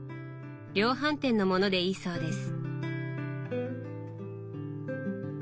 量販店の物でいいそうです。